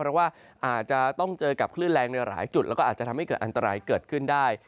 เพราะว่าอาจจะต้องเจอกับคลื่นแรงในหลายจุดแล้วก็อาจจะทำให้เกิดอันตรายเกิดขึ้นได้